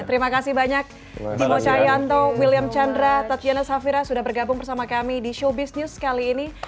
terima kasih banyak dimo cahyanto william chandra tatiana safira sudah bergabung bersama kami di showbiz news kali ini